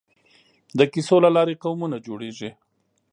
د کیسو له لارې قومونه جوړېږي.